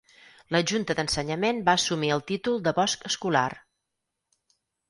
La junta d'ensenyament va assumir el títol de bosc escolar.